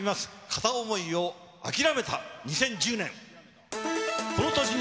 片思いを諦めた２０１０年。